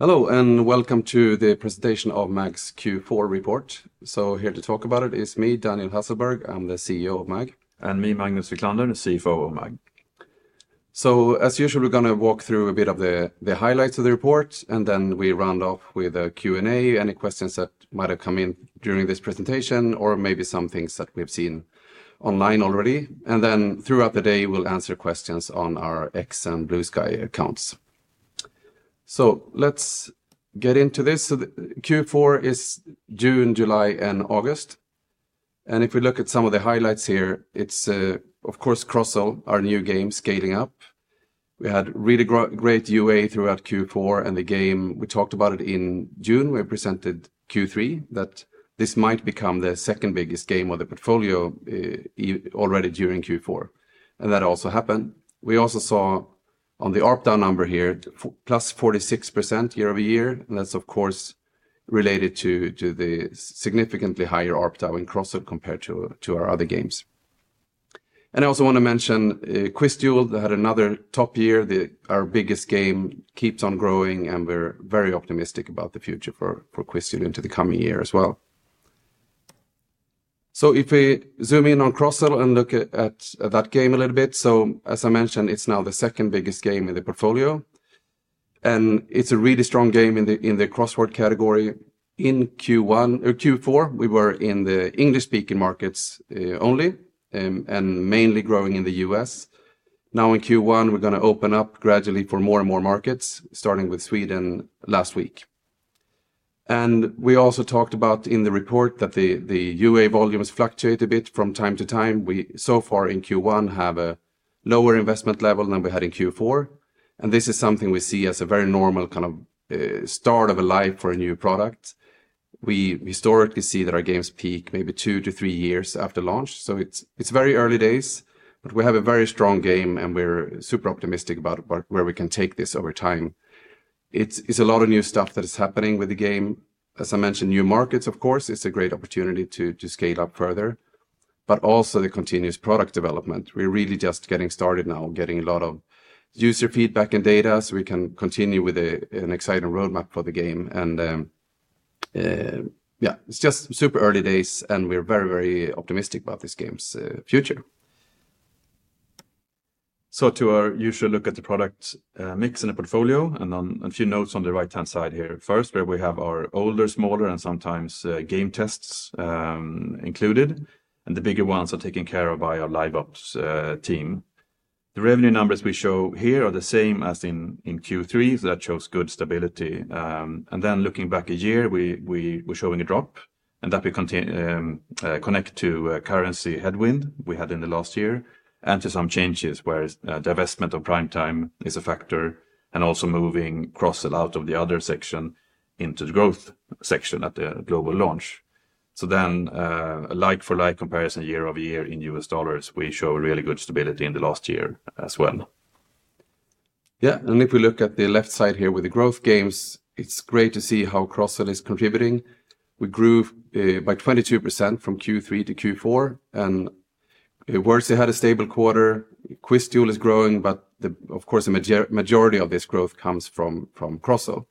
Hello, and welcome to the presentation of MAG Q4 report. Here to talk about it is me, Daniel Hasselberg. I'm the CEO of MAG. It's me, Magnus Wiklander, CFO of MAG. As usual, we're going to walk through a bit of the highlights of the report, and then we round off with a Q&A, any questions that might have come in during this presentation, or maybe some things that we've seen online already. Throughout the day, we'll answer questions on our X and BlueSky accounts. Let's get into this. Q4 is June, July, and August. If we look at some of the highlights here, it's, of course, Crozzle, our new game, scaling up. We had really great UA throughout Q4, and the game, we talked about it in June. We presented Q3 that this might become the second biggest game of the portfolio already during Q4. That also happened. We also saw on the ARPDAU number here, plus 46% year-over-year. That's, of course, related to the significantly higher ARPDAU in Crossal compared to our other games. I also want to mention QuizDuel that had another top year. Our biggest game keeps on growing, and we're very optimistic about the future for QuizDuel into the coming year as well. If we zoom in on Crozzle and look at that game a little bit, as I mentioned, it's now the second biggest game in the portfolio. It's a really strong game in the crossword category. In Q4 we were in the English-speaking markets only, and mainly growing in the U.S. Now in Q1, we're going to open up gradually for more and more markets, starting with Sweden last week. We also talked about in the report that the UA volumes fluctuate a bit from time to time. We so far in Q1 have a lower investment level than we had in Q4. This is something we see as a very normal kind of start of a life for a new product. We historically see that our games peak maybe two to three years after launch. It's very early days, but we have a very strong game, and we're super optimistic about where we can take this over time. It's a lot of new stuff that is happening with the game. As I mentioned, new markets, of course, it's a great opportunity to scale up further. Also the continuous product development. We're really just getting started now, getting a lot of user feedback and data so we can continue with an exciting roadmap for the game. It's just super early days, and we're very, very optimistic about this game's future. To our usual look at the product mix in the portfolio, and then a few notes on the right-hand side here first, where we have our older, smaller, and sometimes game tests included. The bigger ones are taken care of by our live ops team. The revenue numbers we show here are the same as in Q3, which shows good stability. Looking back a year, we're showing a drop. That we connect to a currency headwind we had in the last year, and to some changes where the investment of prime time is a factor, and also moving Crozzle out of the other section into the growth section at the global launch. Like-for-like comparison year-over-year in U.S. dollars, we show really good stability in the last year as well. If we look at the left side here with the growth games, it's great to see how Crozzle is contributing. We grew by 22% from Q3 to Q4. Wordsley had a stable quarter. QuizDuel is growing, but of course, the majority of this growth comes from Crozzle.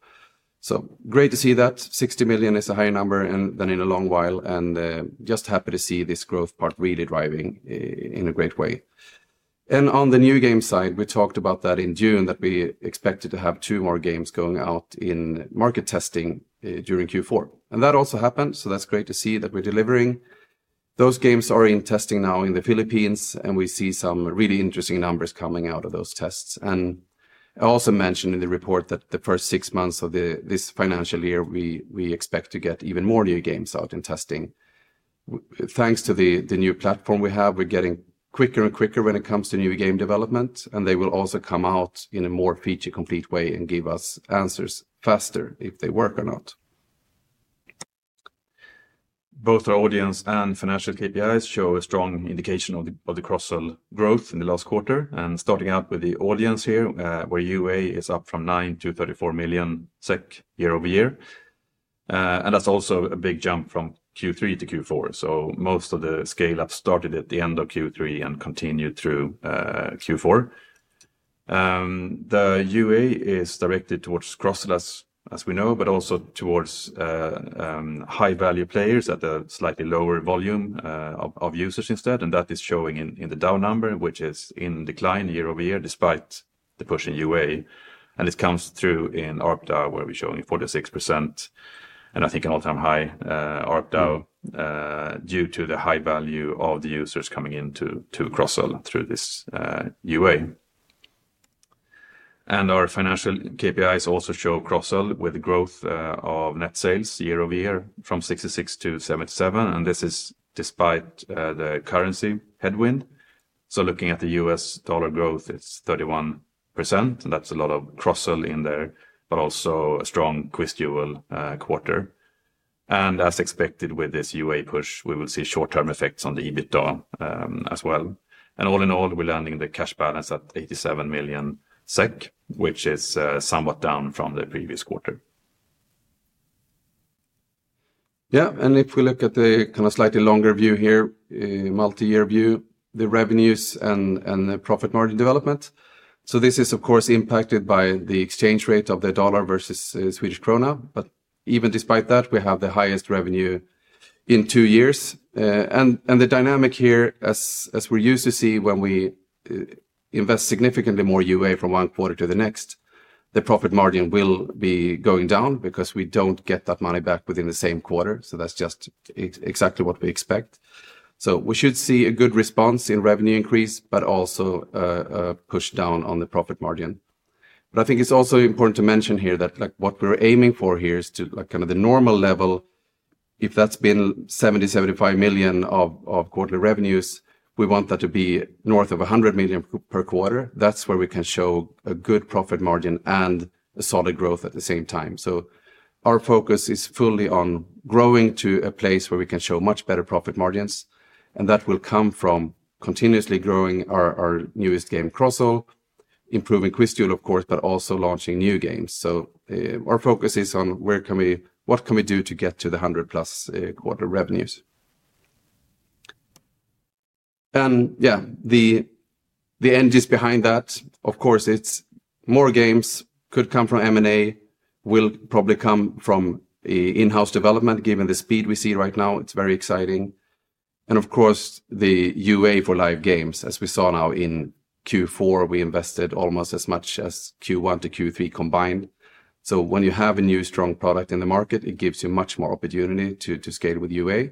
It is great to see that 60 million is a higher number than in a long while. I'm just happy to see this growth part really driving in a great way. On the new game side, we talked about that in June, that we expected to have two more games going out in market testing during Q4. That also happened. It's great to see that we're delivering. Those games are in testing now in the Philippines, and we see some really interesting numbers coming out of those tests. I also mentioned in the report that in the first six months of this financial year, we expect to get even more new games out in testing. Thanks to the new platform we have, we're getting quicker and quicker when it comes to new game development. They will also come out in a more feature-complete way and give us answers faster if they work or not. Both our audience and financial KPIs show a strong indication of the Crozzle growth in the last quarter. Starting out with the audience here, where UA is up from 9 million-34 million SEK year-over-year. That's also a big jump from Q3 to Q4. Most of the scale-up started at the end of Q3 and continued through Q4. The UA is directed towards Crozzle, as we know, but also towards high-value players at a slightly lower volume of users instead. That is showing in the DAU number, which is in decline year-over-year, despite the push in UA. This comes through in ARPDAU, where we're showing 46%, and I think an all-time high ARPDAU, due to the high value of the users coming into Crozzle through this UA. Our financial KPIs also show Crozzle with growth of net sales year over year from 66 million-77 million. This is despite the currency headwind. Looking at the U.S. dollar growth, it's 31%. That's a lot of Crozzle in there, but also a strong QuizDuel quarter. As expected with this UA push, we will see short-term effects on the EBITDA as well. All in all, we're landing the cash balance at 87 million SEK, which is somewhat down from the previous quarter. Yeah, and if we look at the kind of slightly longer view here, multi-year view, the revenues and the profit margin development. This is, of course, impacted by the exchange rate of the dollar versus Swedish krona. Even despite that, we have the highest revenue in two years. The dynamic here, as we're used to see when we invest significantly more UA from one quarter to the next, the profit margin will be going down because we don't get that money back within the same quarter. That's just exactly what we expect. We should see a good response in revenue increase, but also a push down on the profit margin. I think it's also important to mention here that what we're aiming for here is to kind of the normal level. If that's been 70 million-75 million of quarterly revenues, we want that to be north of 100 million per quarter. That's where we can show a good profit margin and a solid growth at the same time. Our focus is fully on growing to a place where we can show much better profit margins. That will come from continuously growing our newest game, Crozzle, improving QuizDuel, of course, but also launching new games. Our focus is on what can we do to get to the 100+ million quarter revenues. The end is behind that. More games could come from M&A, will probably come from in-house development. Given the speed we see right now, it's very exciting. The UA for live games, as we saw now in Q4, we invested almost as much as Q1 to Q3 combined. When you have a new strong product in the market, it gives you much more opportunity to scale with UA.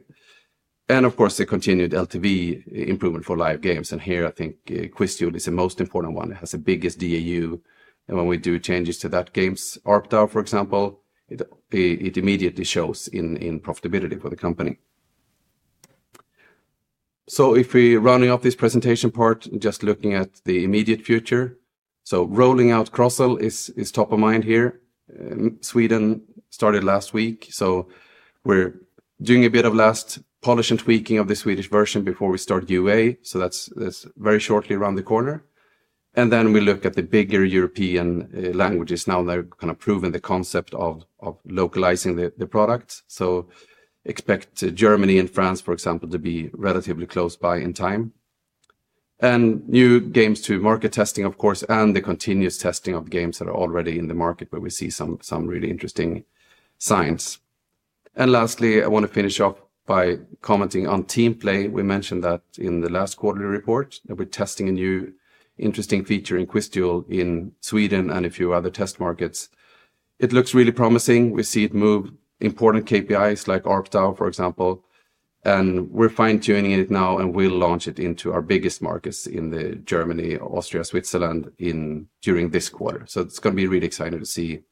The continued LTV improvement for live games. Here, I think QuizDuel is the most important one. It has the biggest DAU. When we do changes to that game's ARPDAU, for example, it immediately shows in profitability for the company. If we're running off this presentation part, just looking at the immediate future. Rolling out Crozzle is top of mind here. Sweden started last week. We're doing a bit of last polish and tweaking of the Swedish version before we start UA. That's very shortly around the corner. We look at the bigger European languages now that are kind of proving the concept of localizing the product. Expect Germany and France, for example, to be relatively close by in time. New games to market testing, of course, and the continuous testing of the games that are already in the market where we see some really interesting signs. Lastly, I want to finish off by commenting on Team Play. We mentioned that in the last quarterly report that we're testing a new interesting feature in QuizDuel in Sweden and a few other test markets. It looks really promising. We see it move important KPIs like ARPDAU, for example. We're fine-tuning it now and will launch it into our biggest markets in Germany, Austria, and Switzerland during this quarter. It is going to be really exciting to see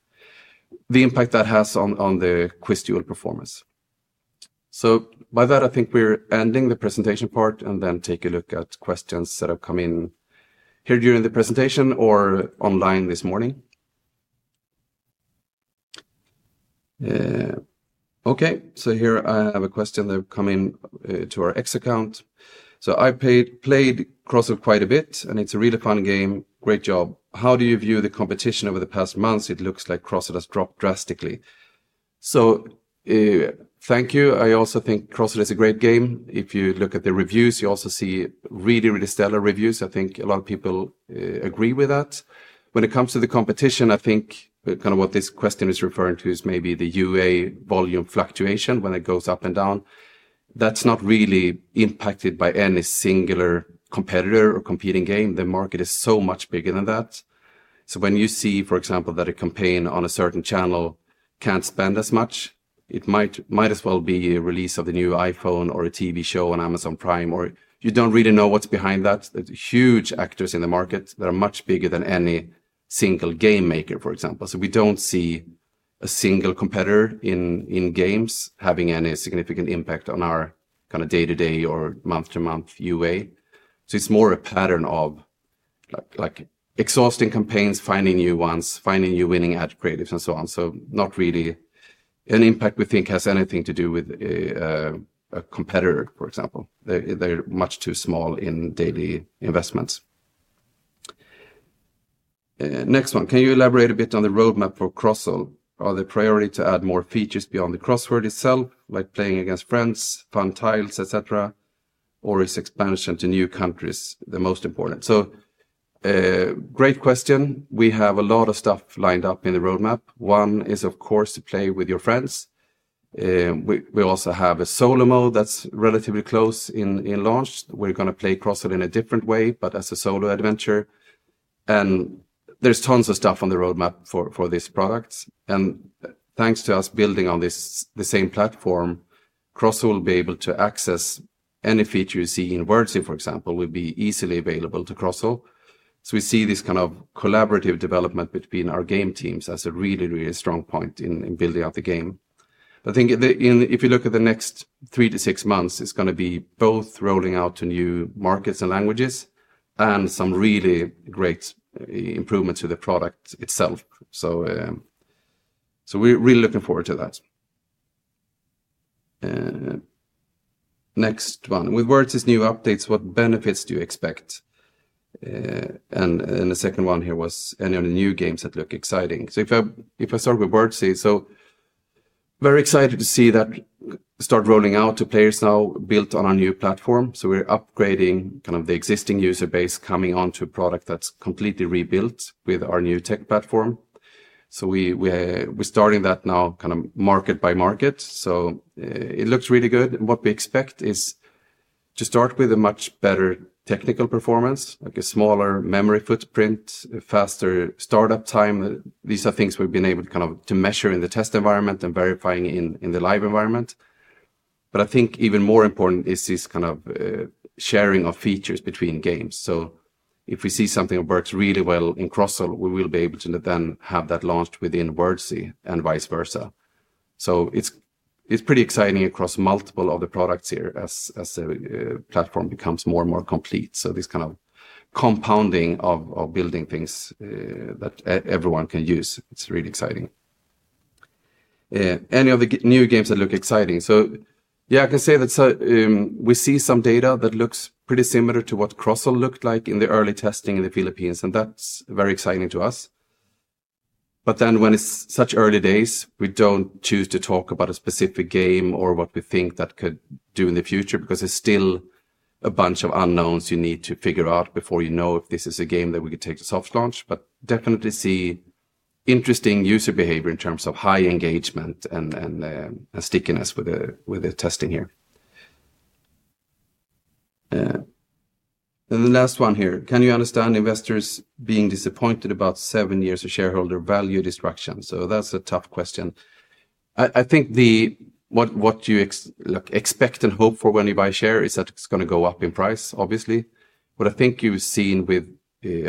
the impact that has on the QuizDuel performance. By that, I think we're ending the presentation part and then take a look at questions that have come in here during the presentation or online this morning. Ok, here I have a question that came into our X account. I played Crozzle quite a bit, and it's a really fun game. Great job. How do you view the competition over the past months? It looks like Crozzle has dropped drastically. Thank you. I also think Crozzle is a great game. If you look at the reviews, you also see really, really stellar reviews. I think a lot of people agree with that. When it comes to the competition, I think what this question is referring to is maybe the UA volume fluctuation when it goes up and down. That's not really impacted by any singular competitor or competing game. The market is so much bigger than that. When you see, for example, that a campaign on a certain channel can't spend as much, it might as well be a release of the new iPhone or a TV show on Amazon Prime, or you don't really know what's behind that. There are huge actors in the market that are much bigger than any single game maker, for example. We don't see a single competitor in games having any significant impact on our day-to-day or month-to-month UA. It's more a pattern of exhausting campaigns, finding new ones, finding new winning ad creatives, and so on. Not really an impact we think has anything to do with a competitor, for example. They're much too small in daily investments. Next one. Can you elaborate a bit on the roadmap for Crozzle? Are the priorities to add more features beyond the crossword itself, like playing against friends, fun tiles, etc., or is expansion to new countries the most important? Great question. We have a lot of stuff lined up in the roadmap. One is, of course, to Play With Your Friends. We also have a Solo Mode that's relatively close in launch. We're going to play Crozzle in a different way, but as a solo adventure. There's tons of stuff on the roadmap for this product. Thanks to us building on the same platform, Crozzle will be able to access any feature you see in Wordsley, for example, will be easily available to Crozzle. We see this kind of collaborative development between our game teams as a really, really strong point in building up the game. I think if you look at the next three to six months, it's going to be both rolling out to new markets and languages and some really great improvements to the product itself. We're really looking forward to that. Next one. With Wordsley's new updates, what benefits do you expect? The second one here was any of the new games that look exciting. If I start with Wordsley, very excited to see that start rolling out to players now built on our new platform. We're upgrading kind of the existing user base, coming on to a product that's completely rebuilt with our new tech platform. We're starting that now kind of market by market. It looks really good. What we expect is to start with a much better technical performance, like a smaller memory footprint, a faster startup time. These are things we've been able to kind of measure in the test environment and verifying in the live environment. I think even more important is this kind of sharing of features between games. If we see something that works really well in Crozzle, we will be able to then have that launched within Wordsley and vice versa. It's pretty exciting across multiple of the products here as the platform becomes more and more complete. This kind of compounding of building things that everyone can use, it's really exciting. Any of the new games that look exciting? Yeah, I can say that we see some data that looks pretty similar to what Crossal looked like in the early testing in the Philippines. That's very exciting to us. When it's such early days, we don't choose to talk about a specific game or what we think that could do in the future because it's still a bunch of unknowns you need to figure out before you know if this is a game that we could take to soft launch. Definitely see interesting user behavior in terms of high engagement and stickiness with the testing here. The last one here. Can you understand investors being disappointed about seven years of shareholder value destruction? That's a tough question. I think what you expect and hope for when you buy shares is that it's going to go up in price, obviously. I think you've seen with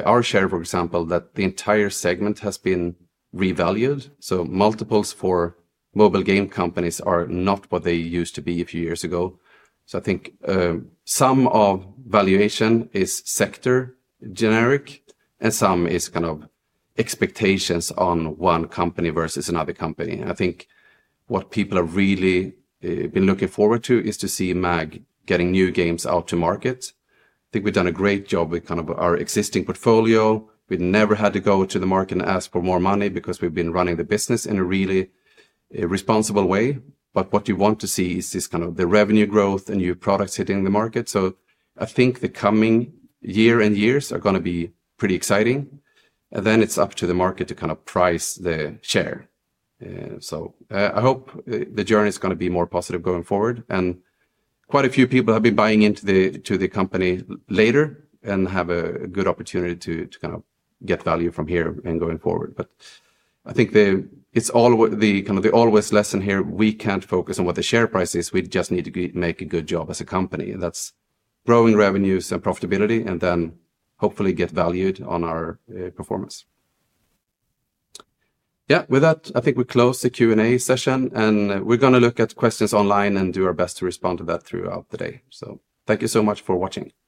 our share, for example, that the entire segment has been revalued. Multiples for mobile game companies are not what they used to be a few years ago. I think some of valuation is sector generic, and some is kind of expectations on one company versus another company. I think what people have really been looking forward to is to see MAG getting new games out to markets. I think we've done a great job with our existing portfolio. We've never had to go to the market and ask for more money because we've been running the business in a really responsible way. What you want to see is this kind of the revenue growth and new products hitting the market. I think the coming year and years are going to be pretty exciting. It's up to the market to price the share. I hope the journey is going to be more positive going forward. Quite a few people have been buying into the company later and have a good opportunity to get value from here and going forward. I think it's kind of the always lesson here. We can't focus on what the share price is. We just need to make a good job as a company that's growing revenues and profitability, and then hopefully get valued on our performance. With that, I think we close the Q&A session. We're going to look at questions online and do our best to respond to that throughout the day. Thank you so much for watching. Thank you.